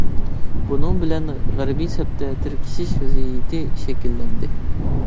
بۇنىڭ بىلەن غەربىي سەپتە تىركىشىش ۋەزىيىتى شەكىللەندى.